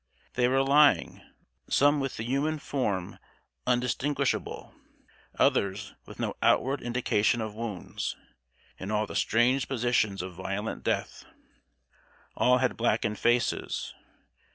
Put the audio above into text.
They were lying some with the human form undistinguishable, others with no outward indication of wounds in all the strange positions of violent death. All had blackened faces.